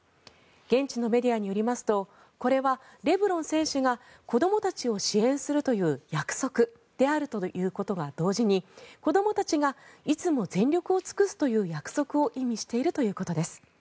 現地のメディアによりますとこれはレブロン選手が子どもたちを支援するという約束であるということと同時に子どもたちがいつも全力を尽くするという約束を意味しているということです。